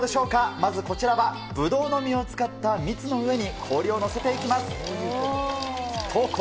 まずこちらは、ぶどうの実を使った蜜の上に氷を載せていきます。